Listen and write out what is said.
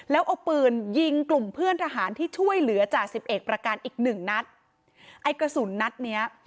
แล้วเอาปืนยิงกลุ่มเพื่อนทหารที่ช่วยเหลือจ่าสิบเอกประการอีกหนึ่งนัดไอ้กระสุนนัดเนี้ย